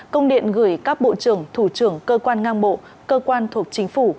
công điện gửi các bộ trưởng thủ trưởng cơ quan ngang bộ cơ quan thuộc chính phủ